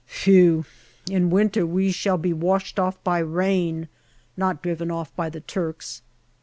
Phew ! In winter we shall be washed off by rain, not driven off by the Turks.